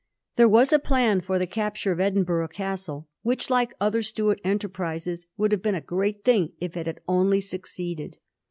There was a plan for the capture of Edinburgh Castle, which, like other Stuart enterprises, would have been a great thing if it had only succeeded.